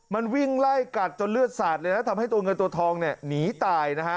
มันวิ่งไล่กัดจนเลือดสาดเลยนะทำให้ตัวเงินตัวทองเนี่ยหนีตายนะฮะ